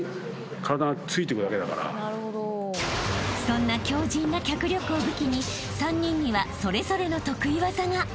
［そんな強靱な脚力を武器に３人にはそれぞれの得意技が］